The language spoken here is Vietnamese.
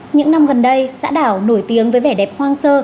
những năm gần đây xã đảo nổi tiếng với vẻ đẹp hoang sơ